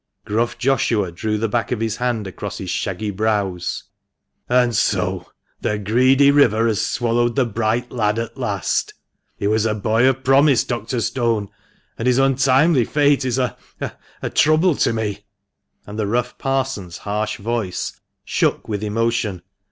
Gruff Joshua drew the back of his hand across his shaggy brows. " And so the greedy river has swallowed the bright lad at last ! He was a boy of promise, Dr. Stone, and his untimely fate is a — a — trouble to me ;" and the rough Parson's harsh voice shook with emotion.